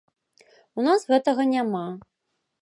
У нас гэтага няма.